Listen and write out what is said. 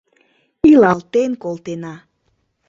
Илалтен колтена...